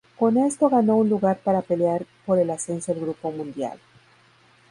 Con esto ganó un lugar para pelear por el ascenso al Grupo Mundial.